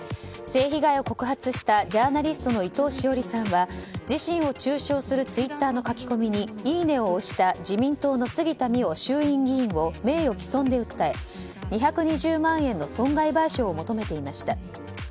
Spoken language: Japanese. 性被害を告発したジャーナリストの伊藤詩織さんは自身を中傷するツイッターの書き込みにいいねを押した自民党の杉田水脈衆院議員を名誉棄損で訴え２２０万円の損害賠償を求めていました。